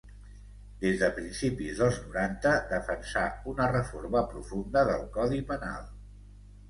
Des de principis dels noranta defensà una reforma profunda del Codi Penal.